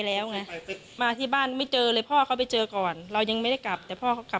ตอนนั้นสภาพลูกเป็นยังไงแม่บอกว่า